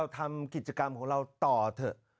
ทำกิจกรรมของเราต่อเถอะ